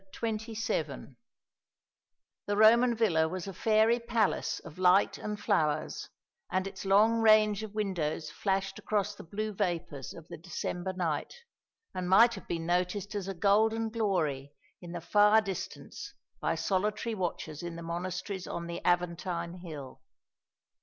CHAPTER XXVII The Roman villa was a fairy palace of light and flowers, and its long range of windows flashed across the blue vapours of the December night, and might have been noticed as a golden glory in the far distance by solitary watchers in the monasteries on the Aventine hill.